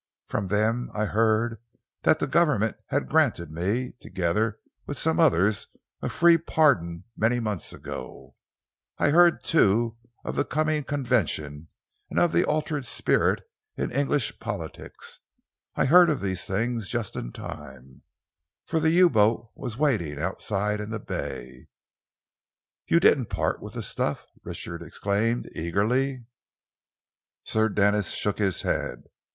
From them I heard that the Government had granted me, together with some others, a free pardon many months ago. I heard, too, of the coming Convention and of the altered spirit in English politics. I heard of these things just in time, for the U boat was waiting outside in the bay." "You didn't part with the stuff?" Richard exclaimed eagerly. Sir Denis shook his head.